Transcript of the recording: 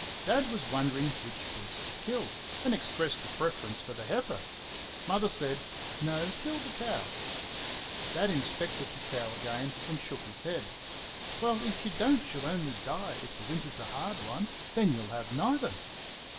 Dad was wondering which beast to kill, and expressed a preference for the heifer. Mother said, "No, kill the cow." Dad inspected the cow again, and shook his head. "Well, if you don't she'll only die, if the winter's a hard one; then you'll have neither."